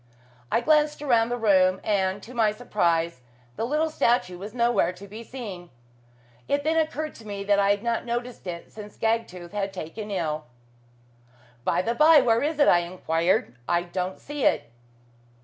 I glanced around the room, and, to my surprise, the little statue was nowhere to be seen. It then occurred to me that I had not noticed it since Gagtooth had been taken ill. "By the by, where is it?" I enquired "I don't see it."